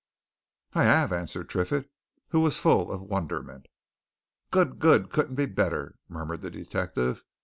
"I have," answered Triffitt, who was full of wonderment. "Good good! couldn't be better!" murmured the detective.